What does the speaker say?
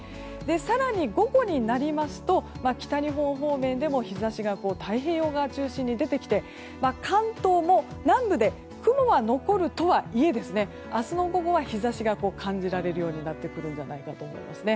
更に午後になりますと北日本方面でも日差しが太平洋側を中心に出てきて関東も、南部で雲が残るとはいえ明日の午後は日差しが感じられるようになってくるんじゃないかと思います。